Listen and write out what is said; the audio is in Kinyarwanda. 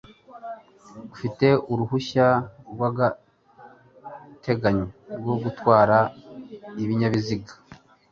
ufite uruhushya rw'agateganyo rwo gutwara ibinyabiziea